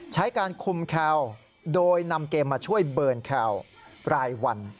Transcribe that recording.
ใช้การคุมแคลโดยนำเกมมาช่วยเบิร์นแคลรายวัน